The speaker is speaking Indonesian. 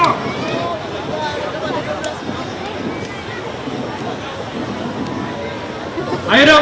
udah siap lagi